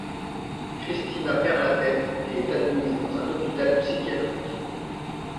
Cristina perd la tête et est admise dans un hôpital psychiatrique.